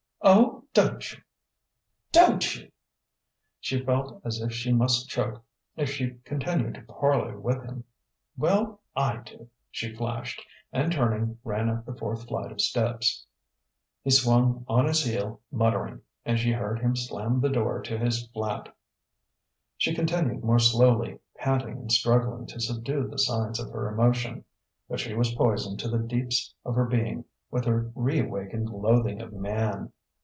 "Oh, don't you?... Don't you!" She felt as if she must choke if she continued to parley with him. "Well, I do!" she flashed; and turning, ran up the fourth flight of steps. He swung on his heel, muttering; and she heard him slam the door to his flat. She continued more slowly, panting and struggling to subdue the signs of her emotion. But she was poisoned to the deeps of her being with her reawakened loathing of Man.